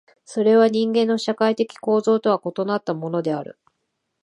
それは人間の社会的構造とは異なったものである。